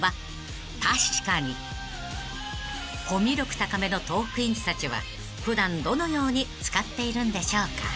［コミュ力高めのトークィーンズたちは普段どのように使っているんでしょうか］